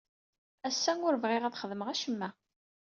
Ass-a ur bɣiɣ ad xedmeɣ acemma.